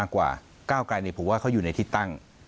กล้าวไกลนี่ผมว่าเขาอยู่ในที่ตั้ง